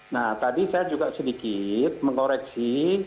nah tadi saya juga sedikit mengoreksi